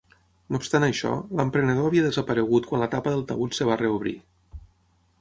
No obstant això, l'emprenedor havia desaparegut quan la tapa del taüt es va reobrir.